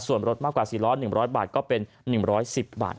ส่วนรถมากกว่า๔๐๐๑๐๐บาทก็เป็น๑๑๐บาท